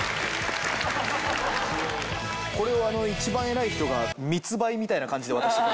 これをあの一番偉い人が密売みたいな感じで渡して。